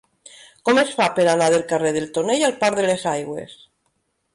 Com es fa per anar del carrer del Tonell al parc de les Aigües?